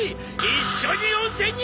一緒に温泉に！